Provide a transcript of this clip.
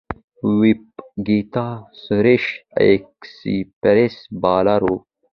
وپاګیتا سريش ایکسپریس بالر وه.